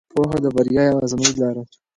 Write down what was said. پوهه د بریا یوازینۍ لار ده.